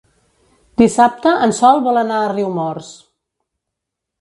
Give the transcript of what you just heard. Dissabte en Sol vol anar a Riumors.